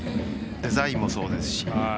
デザインもそうですし。